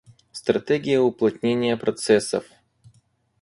Стратегия уплотнения процессов